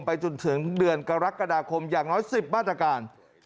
จนถึงเดือนกรกฎาคมอย่างน้อย๑๐มาตรการ